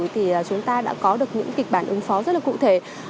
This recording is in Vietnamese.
thì chúng ta đã có được những kịch bản ứng phó rất là cụ thể